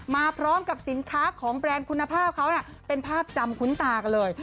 มาพร้อมกับสินค้าของแบรนด์คุณภาพเขาเป็นภาพจำคุ้นตากันเลย